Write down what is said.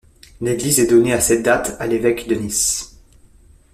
L'église est donnée à cette date à l'évêque de Nice.